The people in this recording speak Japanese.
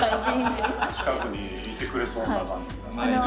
近くにいてくれそうな感じが。